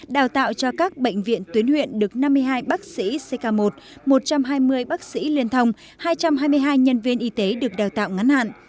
đào tạo cho các bệnh viện tuyến huyện được năm mươi hai bác sĩ ck một một trăm hai mươi bác sĩ liên thông hai trăm hai mươi hai nhân viên y tế được đào tạo ngắn hạn